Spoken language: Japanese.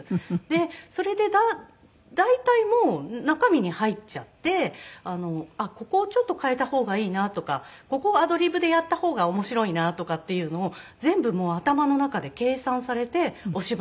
でそれで大体もう中身に入っちゃってあっここをちょっと変えた方がいいなとかここをアドリブでやった方が面白いなとかっていうのを全部頭の中で計算されてお芝居をされるそうなんですね。